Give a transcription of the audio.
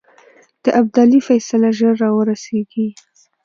د ابدالي فیصله ژر را ورسېږي.